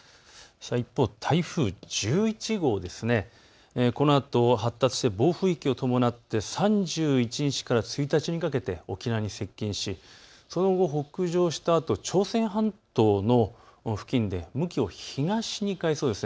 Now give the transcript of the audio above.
一方、台風１１号、このあと発達して暴風域を伴って３１日から１日にかけて沖縄に接近し、その後北上したあと朝鮮半島の付近で向きを東に変えそうです。